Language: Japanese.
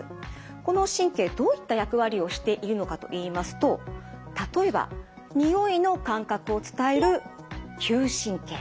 この神経どういった役割をしているのかといいますと例えばにおいの感覚を伝える「嗅神経」。